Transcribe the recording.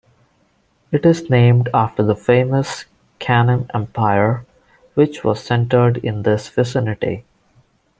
It is named after the famous Kanem Empire, which was centered in this vicinity.